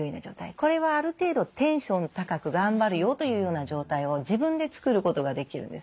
これはある程度テンション高く頑張るよというような状態を自分で作ることができるんです。